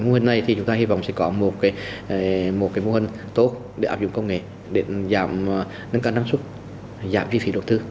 mô hình này thì chúng ta hy vọng sẽ có một mô hình tốt để áp dụng công nghệ để nâng cao năng suất giảm chi phí đầu tư